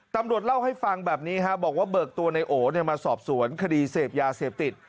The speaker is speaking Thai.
ตำรวจเล่าให้ฟังแบบนี้บอกว่าเบิกตัวในโอมาสอบสวนคดีเสพยาเสพติด